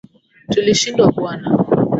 Tulishindwa bwana.